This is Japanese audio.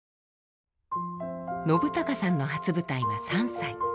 信朗さんの初舞台は３歳。